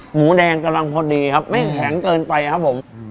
หมูแดงกำลังพอดีครับไม่แข็งเกินไปครับผม